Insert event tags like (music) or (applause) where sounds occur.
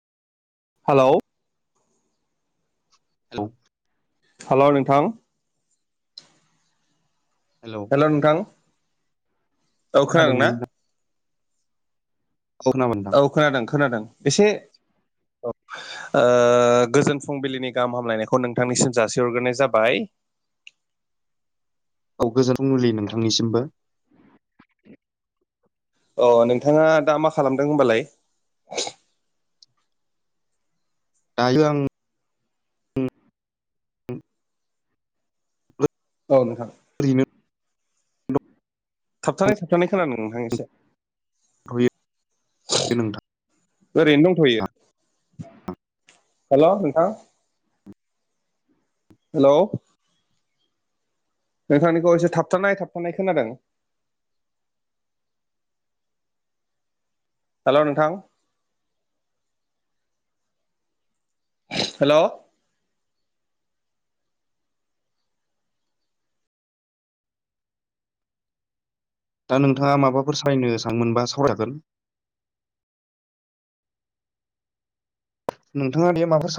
Hello. Hello. Hello नोंथां। Hello. Hello नोंथां औ खोनादोंना? (unintelligible) औ मा मोन? औ खोनादों खोनादों एसे औ। ओ गोजोन फुंबिलिनि गाहाम हामलायनायखौ नोंथांनिसिम जासिहरग्रोनाय जाबाय। औ गोजोन फुंबिलि नोंथांनिसिमबो। ओ नोंथाङा दा मा होनबालाय? दायो आं। (unintelligible) औ नोंथां। (unintelligible) थाबथानाय थाबथानाय खोनादों नोंथां एसे। (unintelligible) ओरैनो दंथ'यो हेलौ' नोंथां। हेलौ। नोंथांनिखौ एसे थाबथानाय थाबथानाय खोनादों। हेलौ नोंथां। हेलौ। दा नोंथाङा माबाफोर सालरायनो सानमोनबा सावरायगोन। नोंथाङा बे मा साव